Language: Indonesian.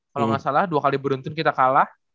kalau nggak salah dua kali beruntun kita kalah